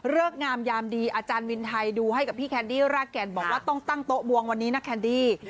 งามยามดีอาจารย์วินไทยดูให้กับพี่แคนดี้รากแก่นบอกว่าต้องตั้งโต๊ะบวงวันนี้นะแคนดี้